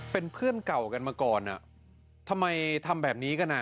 เป็นเพื่อนเก่ากันมาก่อนอ่ะทำไมทำแบบนี้กันอ่ะ